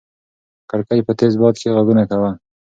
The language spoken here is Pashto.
کړکۍ په تېز باد کې غږونه کول.